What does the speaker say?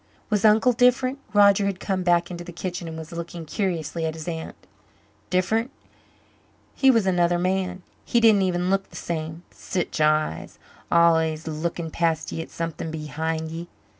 "Was Uncle different?" Roger had come back into the kitchen and was looking curiously at his aunt. "Diff'rent? He was another man. He didn't even look the same. Sich eyes! Al'ays looking past ye at something behind ye.